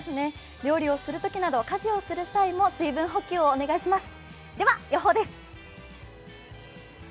料理をするときなど、家事をする際も水分補給をお願いします。